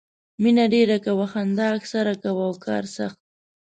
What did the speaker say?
مینه ډېره کوه، خندا اکثر کوه او کار سخت.